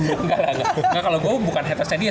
enggak kalau gue bukan hatersnya dia